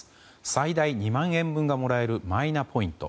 最大２万円分がもらえるマイナポイント。